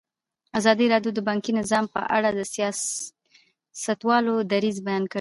ازادي راډیو د بانکي نظام په اړه د سیاستوالو دریځ بیان کړی.